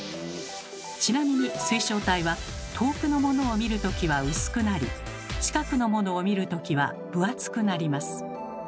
ちなみに水晶体は遠くのものを見るときはうすくなり近くのものを見るときは分厚くなります。